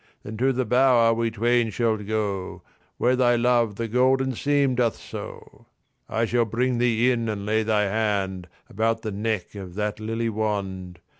Then to the bower we twain shall go Where thy love the golden seam doth sew. I shall bring thee in and lay thine hand About the neck of that lily wand.